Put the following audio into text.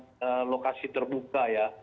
mereka melakukan lokasi terbuka ya